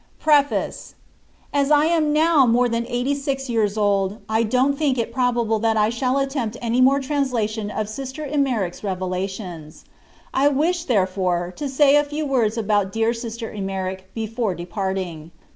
preface* As I am now more than eighty six years old I don t think it probable that I shall attempt any more trans lations of Sister Emmerich s revela tions. I wish, therefore, to say a few words about dear Sister Emmerich before parting.